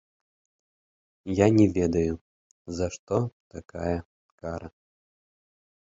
Я не ведаю, за што такая кара!